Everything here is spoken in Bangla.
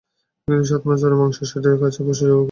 কিন্তু সাত মাস ধরে মাংস শেডের কাছেই পশু জবাই করা হচ্ছে।